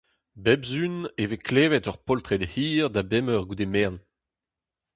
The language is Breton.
Bep sizhun e vez klevet ur poltred hir da bemp eur goude merenn.